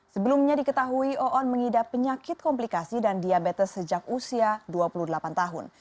sebelumnya diketahui oon mengidap penyakit komplikasi dan diabetes sejak usia dua puluh delapan tahun